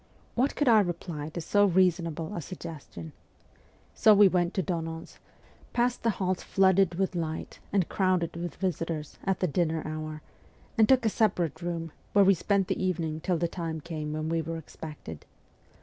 What could I reply to so reasonable a suggestion ? So we went to Donon's, passed the halls flooded with light and crowded with visitors at the dinner hour, and took a separate room, where we spent the evening till the time came when we were expected.